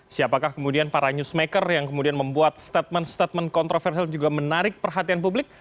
siapakah kemudian para newsmaker yang kemudian membuat statement statement kontroversial juga menarik perhatian publik